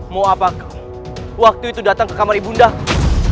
mau apa kau waktu itu datang ke kamar ibundamu